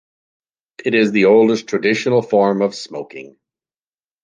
It is the oldest traditional form of smoking.